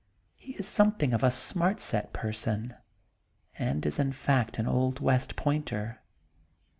He is something of a Smart Set person, and is in fact an old West Pointer.